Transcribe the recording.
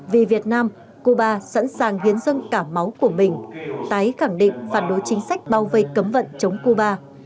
vì việt nam cuba sẵn sàng hiến dân cả máu của mình tái khẳng định phản đối chính sách bao vây cấm vận chống cuba